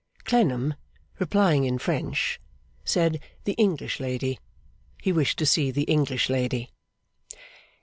Clennam, replying in French, said the English lady; he wished to see the English lady.